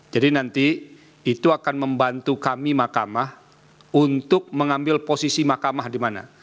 jadi nanti itu akan membantu kami makamah untuk mengambil posisi makamah di mana